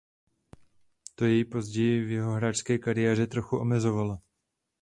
To jej později v jeho hráčské kariéře trochu omezovalo.